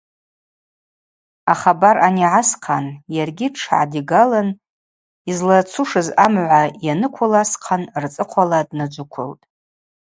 Ахабар анигӏа асхъан, йаргьи тшгӏадигалын, йызлацушыз амгӏва йаныквыл асхъан, рцӏыхъвала днаджвыквылтӏ.